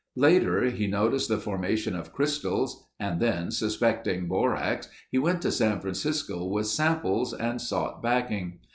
Later he noticed the formation of crystals and then suspecting borax he went to San Francisco with samples and sought backing.